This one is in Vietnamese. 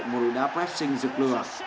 một đôi đá pressing dược lửa